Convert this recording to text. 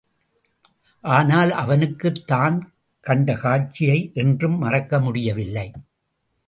ஆனால் அவனுக்குத் தான் கண்ட காட்சியை என்றும் மறக்க முடியவில்லை.